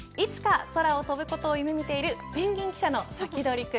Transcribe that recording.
いつか空を飛ぶことを夢見ているペンギン記者のサキドリくん